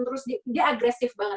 terus dia agresif banget